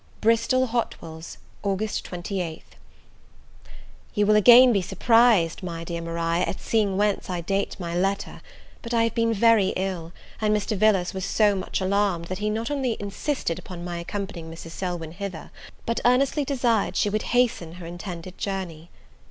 Bristol Hotwells, August 28th. YOU will be again surprised, my dear Maria, at seeing whence I date my letter: but I have been very ill, and Mr. Villars was so much alarmed, that he not only insisted upon my accompanying Mrs. Selwyn hither, but earnestly desired she would hasten her intended journey.